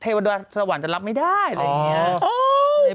เทวดาสวรรค์จะรับไม่ได้อะไรอย่างนี้